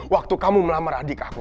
waktu kamu melamar adik aku